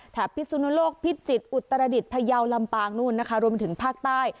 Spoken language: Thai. แถบพิสุนโลกพิสจิตอุตรดิตพยาวลำปางรวมถึงภาคใต้